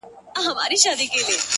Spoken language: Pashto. • ته به مي څرنګه د تللي قدم لار لټوې ,